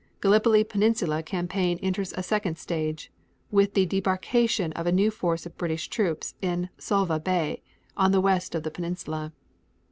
6. Gallipoli Peninsula campaign enters a second stage with the debarkation of a new force of British troops in Suvla Bay, on the west of the peninsula.